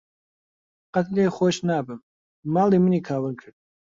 قەت لێی خۆش نابم، ماڵی منی کاول کرد.